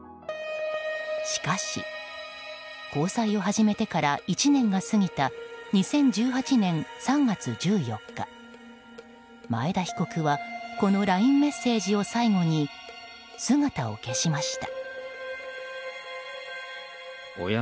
しかし、交際を初めてから１年が過ぎた２０１８年３月１４日前田被告はこのＬＩＮＥメッセージを最後に姿を消しました。